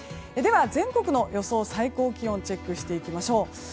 では、全国の予想最高気温チェックしていきましょう。